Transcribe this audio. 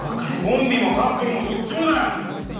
コンビもカップルもどっちもだよ！